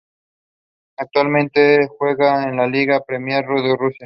Actualmente juega en la Liga Premier de Rusia.